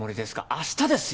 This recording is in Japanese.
明日ですよ。